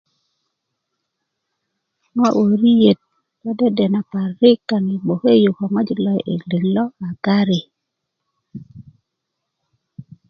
ŋo' wöriyet lo dedena parik kaaŋ yi gboke yu ko ŋojik lo'di'dik lo a gari